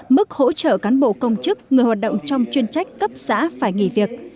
mức hỗ trợ cán bộ công chức người hoạt động trong chuyên trách cấp xã phải nghỉ việc